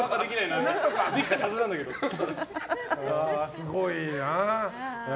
すごいな。